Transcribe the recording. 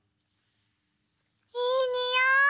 いいにおい！